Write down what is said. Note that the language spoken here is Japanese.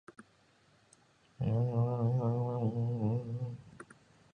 凄惨な阿鼻地獄なのかも知れない、それは、わからない